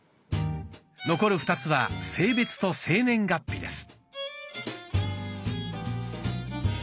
残る２つは性別と生年月日です。